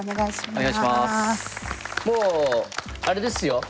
もうあれですよ